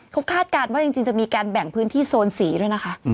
เขาคาดการณ์ว่าจริงจะมีการแบ่งพื้นที่โซนสีด้วยนะคะ